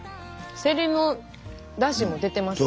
せりのだしも出てますね。